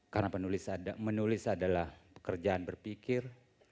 karena menulis adalah pekerjaan berpikir